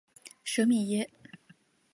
舍米耶。